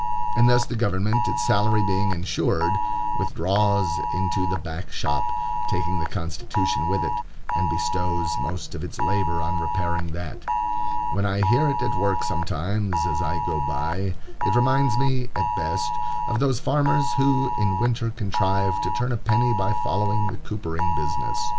And thus the government, its salary being insured, withdraws into the back shop, taking the Constitution with it, and bestows most of its labor on repairing that. When I hear it at work sometimes, as I go by, it reminds me, at best, of those farmers who in winter contrive to turn a penny by following the coopering business.